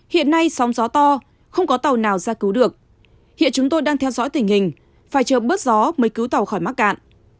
hiện nay sóng gió to không có tàu nào ra cứu được hiện chúng tôi đang theo dõi tình hình phải chờ bớt gió mới cứu tàu khỏi mắc cạn